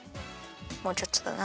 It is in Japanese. もうちょっとだな。